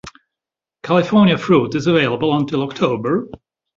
California fruit is available until October.